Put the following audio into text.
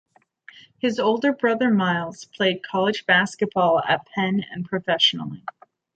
His older brother Miles played college basketball at Penn and professionally.